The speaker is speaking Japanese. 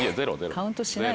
カウントしない。